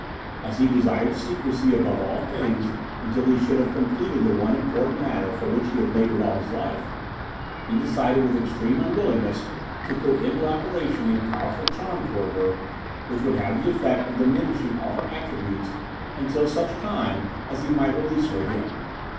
As he desired secrecy above all things until he should have completed the one important matter for which he had laboured all his life, he decided with extreme unwillingness to put into operation a powerful charm towards her, which would have the effect of diminishing all her attributes until such time as he might release her again.